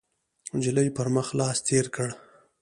، نجلۍ پر مخ لاس تېر کړ،